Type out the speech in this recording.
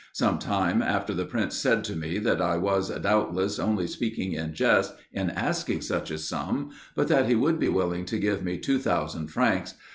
Some time after the Prince said to me that I was, doubtless, only speaking in jest in asking such a sum, but that he would be willing to give me 2,000 francs.